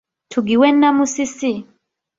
Tugiwe Namusisi.